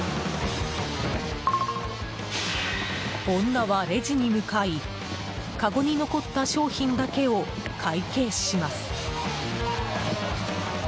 女はレジに向かいかごに残った商品だけを会計します。